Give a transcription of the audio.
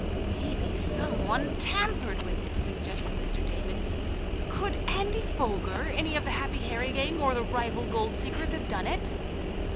"Maybe some one tampered with it," suggested Mr. Damon. "Could Andy Foger, any of the Happy Harry gang, or the rival gold seekers have done it?"